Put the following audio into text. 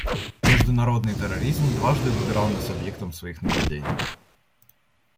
Международный терроризм дважды выбирал нас объектом своих нападений.